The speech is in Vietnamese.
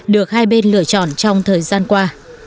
được hai bên lựa chọn trong thời gian qua